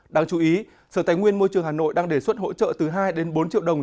đáng chú ý sở tài nguyên môi trường hà nội đang đề xuất hỗ trợ từ hai đến bốn triệu đồng